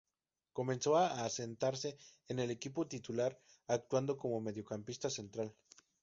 Comenzó a asentarse en el equipo titular actuando como mediocampista central.